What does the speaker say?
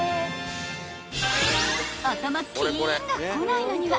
［頭キーンがこないのには］